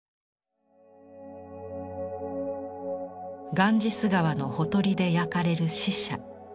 ガンジス川のほとりで焼かれる死者。